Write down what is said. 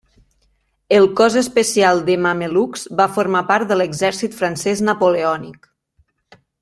El cos especial de mamelucs va formar part de l'exèrcit francès napoleònic.